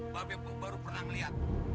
bape gue baru pernah melihat